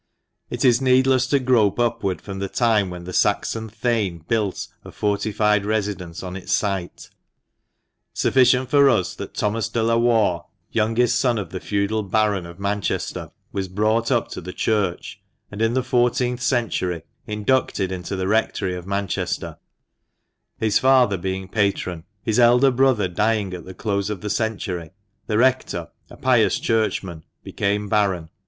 It is needless to grope upward from the time when the Saxon Theyn built a fortified residence on its site; sufficient for us that Thomas de la Warr, youngest son of the feudal baron of Manchester, was brought up to the Church, and in the fourteenth century inducted into the Rectory of Manchester, his father being patron. His elder brother dying at the close of the century, the rector (a pious Churchman) became baron.